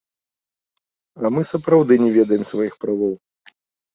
А мы сапраўды не ведаем сваіх правоў.